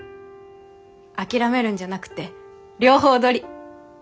諦めるんじゃなくて両方取り！